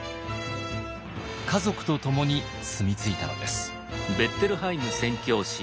家族と共に住み着いたのです。